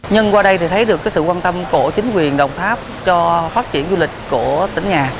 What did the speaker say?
nhưng qua đây thì thấy được sự quan tâm của chính quyền đồng tháp cho phát triển du lịch của tỉnh nhà